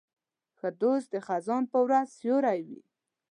ښه دوست د خزان په ورځ سیوری وي.